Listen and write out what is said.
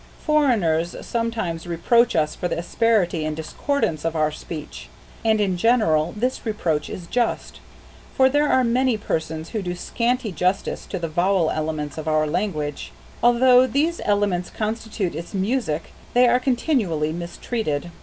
Foreigners sometimes reproach us for the asperity and discordance of our speech, and in general, this reproach is just, for there are many persons who do scanty justice to the vowel elements of our language. Although these elements constitute its music they are continually mistreated.